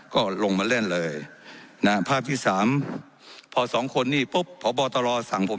ก็ลงมาเล่นเลยนะภาพที่สามพอสองคนนี่ปุ๊บพบตรสั่งผม